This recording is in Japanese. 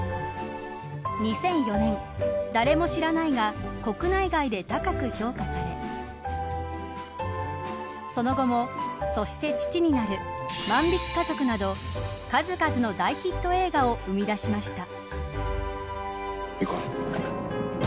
２００４年、誰も知らないが国内外で高く評価されその後もそして父になる万引き家族など数々の大ヒット映画を生み出しました。